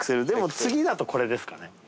でも次だとこれですかね。